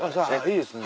いいですね。